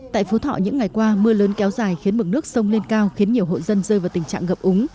tại phố thọ những ngày qua mưa lớn kéo dài khiến bậc nước sông lên cao khiến nhiều hội dân rơi vào tình trạng ngập úng